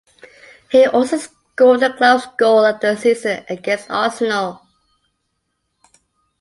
He also scored the club's goal of the season against Arsenal.